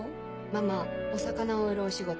ママお魚を売るお仕事